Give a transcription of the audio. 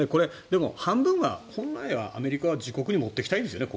半分は、本来はアメリカは自国に持っていきたいんですよね。